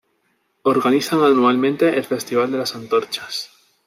Organizan anualmente el Festival de las Antorchas.